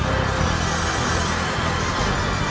setelah kamu tunggu